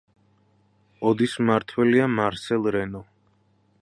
ოდის მმართველია მარსელ რენო.